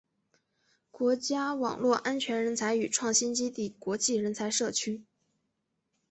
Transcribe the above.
国家网络安全人才与创新基地国际人才社区